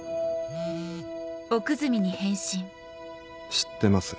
「知ってます